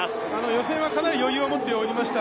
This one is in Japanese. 予選はかなり余裕を持って泳ぎました。